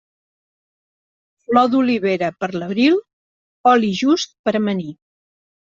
Flor d'olivera per l'abril, oli just per amanir.